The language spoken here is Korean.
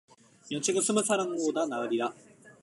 면책은 숨은 사랑보다 나으니라